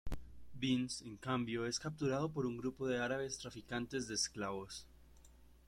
Binns, en cambio, es capturado por un grupo de árabes traficantes de esclavos.